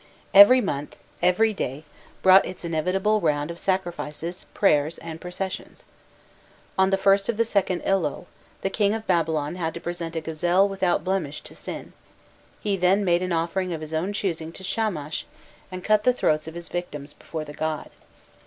Every month, every day, brought its inevitable round of sacrifices, prayers, and processions. On the 1st of the second Elul, the King of Babylon had to present a gazelle without blemish to Sin; he then made an offering of his own choosing to Shamash, and cut the throats of his victims before the god.